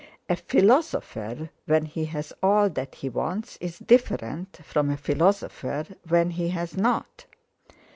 A philosopher when he has all that he wants is different from a philosopher when he has not.